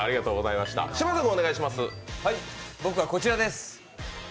僕はこちらです